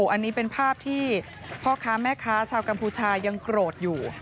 อันนี้เป็นภาพที่พ่อค้าแม่ค้าชาวกัมพูชายังโกรธอยู่